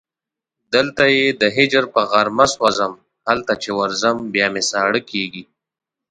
دلته یې د هجر په غارمه سوځم هلته چې ورځم بیا مې ساړه کېږي